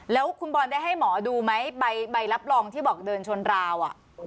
แล้วคุณบอลได้ให้หมอดูไหมใบรับรองที่บอกเดินชนราว